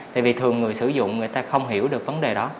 tại vì thường người sử dụng người ta không hiểu được vấn đề đó